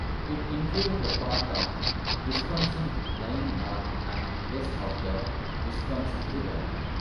It included the part of Wisconsin lying north and west of the Wisconsin River.